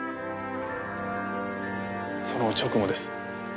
その直後です。